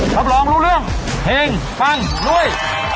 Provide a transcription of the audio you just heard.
ก็รับรองรู้เรื่องเพลงฟังร่วย